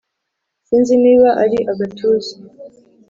sinzi niba ari agatuza.